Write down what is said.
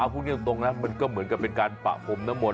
พูดจริงตรงนั้นก็เหมือนกับเป็นการปะปรมนามล